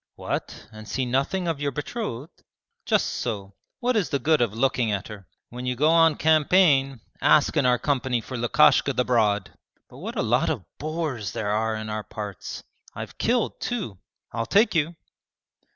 'What, and see nothing of your betrothed?' 'Just so what is the good of looking at her? When you go on campaign ask in our company for Lukashka the Broad. But what a lot of boars there are in our parts! I've killed two. I'll take you.'